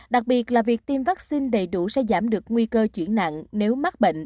đặc biệt là việc tiêm vaccine đầy đủ sẽ giảm được nguy cơ chuyển nặng nếu mắc bệnh